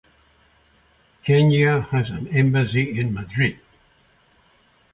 Kenya has an embassy in Madrid.